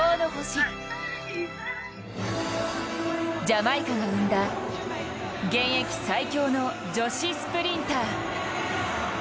ジャマイカが生んだ現役最強の女子スプリンター。